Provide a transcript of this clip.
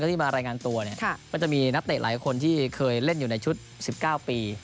ที่มารายงานตัวเนี่ยก็จะมีนักเตะหลายคนที่เคยเล่นอยู่ในชุด๑๙ปี